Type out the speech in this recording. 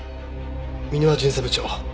箕輪巡査部長。